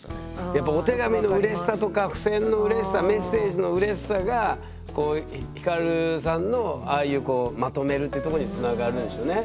やっぱお手紙のうれしさとか付箋のうれしさメッセージのうれしさがヒカルさんのああいうまとめるってとこにつながるんでしょうね。